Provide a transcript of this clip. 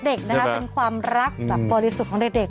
เป็นความรักบริสุทธิ์ของเด็ก